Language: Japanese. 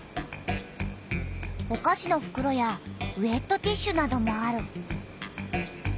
おかしのふくろやウエットティッシュなどもある。